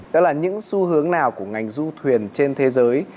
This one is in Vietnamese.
đó là những xu hướng nào của ngành du thuyền trên thế giới